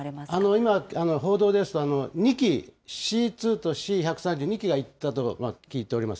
今、報道ですと、２機、Ｃ２とＣ１３０、２機が行ったと聞いております。